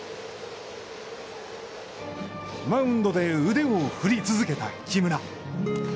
マウンドで腕を振り続けた木村。